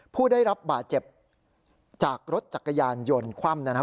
ผู้ได้รับบาดเจ็บจากรถจักรยานยนต์คว่ำนะครับ